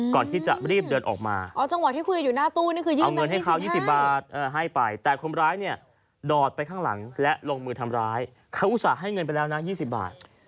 ก่อนที่จะรีบเดินออกมาเอาเงินให้เขา๒๐บาทให้ไปแต่คนร้ายเนี่ยดอดไปข้างหลังและลงมือทำร้ายเขาอุตส่าห์ให้เงินไปแล้วนะ๒๐บาท